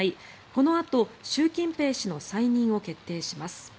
このあと習近平氏の再任を決定します。